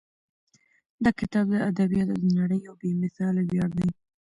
دا کتاب د ادبیاتو د نړۍ یو بې مثاله ویاړ دی.